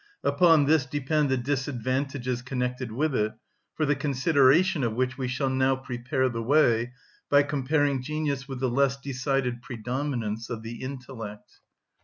Upon this depend the disadvantages connected with it, for the consideration of which we shall now prepare the way by comparing genius with the less decided predominance of the intellect.